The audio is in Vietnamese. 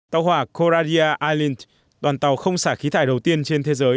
tàu hỏa coradia ireland đoàn tàu không xả khí thải đầu tiên trên thế giới